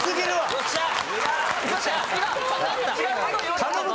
よっしゃー！